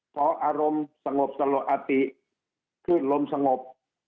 พออารมณ์สงบสลดอติขึ้นลมสงบ